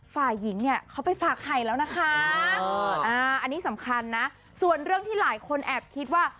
ฝ่ายหญิงเนี่ยเขาไปฝากไข่แล้วนะคะอันนี้สำคัญนะส่วนเรื่องที่หลายคนแอบคิดว่า